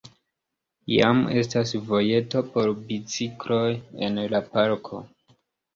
Jam estas vojeto por bicikloj en la parko.